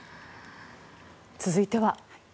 続いては。